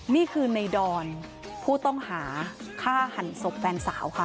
นี่คือในดอนผู้ต้องหาฆ่าหันศพแฟนสาวค่ะ